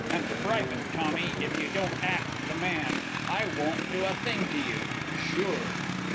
And private, Tommy, if you don't act the man, I won't do a thing to you. Sure."